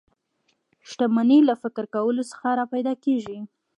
شتمني له فکر کولو څخه را پیدا کېږي